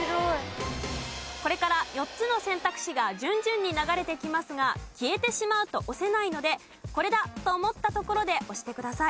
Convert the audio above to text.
これから４つの選択肢が順々に流れてきますが消えてしまうと押せないので「これだ！」と思ったところで押してください。